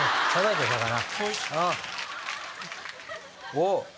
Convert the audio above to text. おっ！